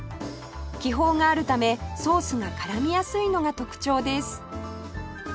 気泡があるためソースが絡みやすいのが特徴です